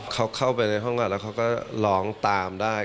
เขาเข้าไปในห้องก่อนแล้วเขาก็ร้องตามได้